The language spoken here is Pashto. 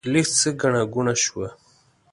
لږ څه ګڼه ګوڼه شوه.